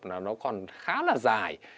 nó còn khá là dài